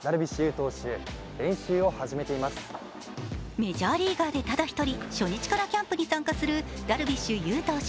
メジャーリーガーでただ一人初日からキャンプに参加するダルビッシュ有投手。